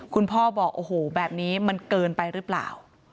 พ่อบอกโอ้โหแบบนี้มันเกินไปหรือเปล่า